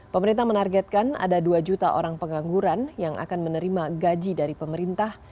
pemerintah menargetkan ada dua juta orang pengangguran yang akan menerima gaji dari pemerintah